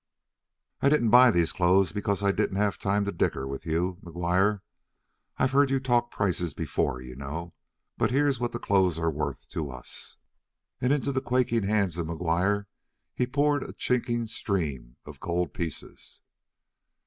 "I didn't buy these clothes because I didn't have the time to dicker with you, McGuire. I've heard you talk prices before, you know. But here's what the clothes are worth to us." And into the quaking hands of McGuire he poured a chinking stream of gold pieces.